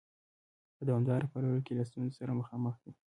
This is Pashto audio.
په دوامداره پاللو کې له ستونزو سره مخامخ دي؟